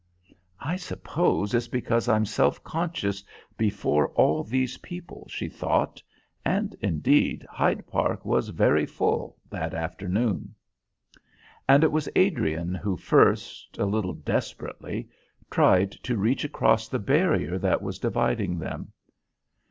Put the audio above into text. "I suppose it's because I'm self conscious before all these people," she thought, and, indeed, Hyde Park was very full that afternoon. And it was Adrian who first, a little desperately, tried to reach across the barrier that was dividing them.